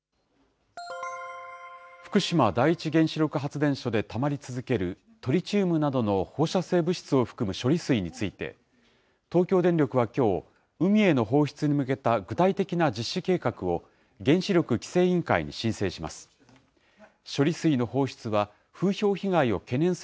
福島第一原子力発電所でたまり続けるトリチウムなどの放射性物質を含む処理水について、東京電力はきょう、海への放出に向けた具体的な実施計画を、原子力規制委員会に申請します。